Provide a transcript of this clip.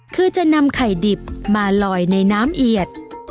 คือจะนำไข่ดิบมาลอยในน้ำเอียด